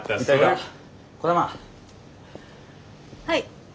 はい。